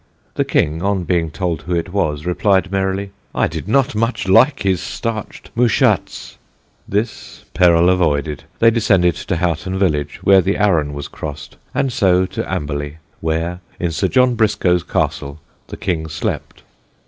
The King, on being told who it was, replied merrily, "I did not much like his starched mouchates." This peril avoided, they descended to Houghton village, where the Arun was crossed, and so to Amberley, where in Sir John Briscoe's castle the King slept.